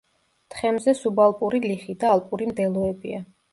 თხემზე სუბალპური ლიხი და ალპური მდელოებია.